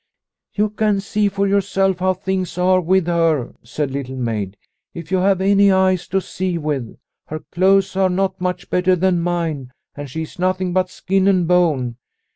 ' You can see for yourself how things are with her," said Little Maid, " if you have any eyes to see with. Her clothes are not much better than mine, and she is nothing but skin and bone.